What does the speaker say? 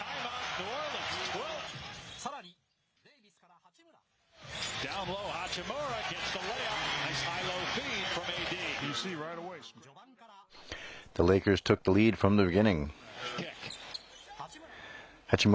さらにデービスから八村。